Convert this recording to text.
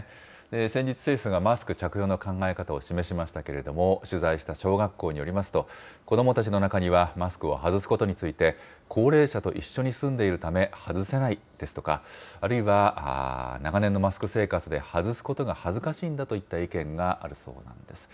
先日、政府がマスク着用の考え方を示しましたけれども、取材した小学校によりますと、子どもたちの中にはマスクを外すことについて、高齢者と一緒に住んでいるため、外せないですとか、あるいは、長年のマスク生活で外すことが恥ずかしいんだといった意見があるそうなんです。